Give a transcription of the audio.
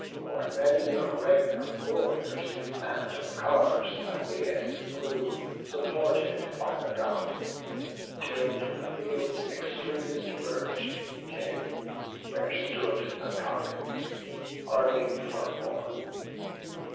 O'er many a rank of warriors and of cars Æneas flew, supported by the God; Till to the field's extremest verge he came, Where stood the Caucons, arming for the war.